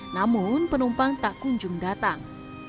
namun penumpang tak kunjung datang